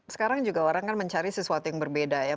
sekarang juga orang mencari sesuatu yang berbeda